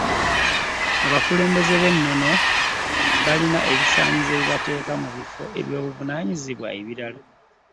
Abakulembeze ab’ennono kati balina ebisaanyizo ebibateeka mu bifo byobuvunaanyizibwa ebirala